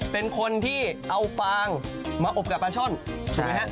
เป็นคนที่เอาฟางมาอบกับปลาช่อนถูกไหมฮะ